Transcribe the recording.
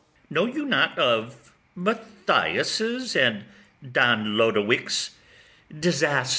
Know you not of Mathia[s'] and Don Lodowick['s] disaster?